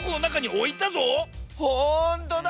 ほんとだ！